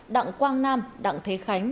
đặng quang nam đặng thế khánh